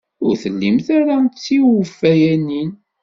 Ur tellimt ara d tiwfayanin.